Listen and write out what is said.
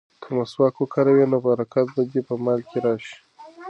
که مسواک وکاروې نو برکت به دې په مال کې راشي.